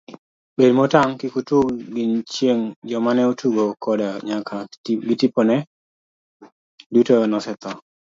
Bed motang' kik itug gi chieng' joma ne otugo kode nyaka gitipone, duto nosetho.